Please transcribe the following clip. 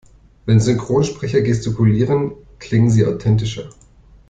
Wenn Synchronsprecher gestikulieren, klingen sie authentischer.